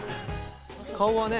顔はね